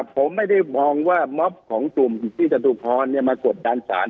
ผมไม่ได้มองว่าม็อบของกลุ่มพี่จตุพรมากดดันสาร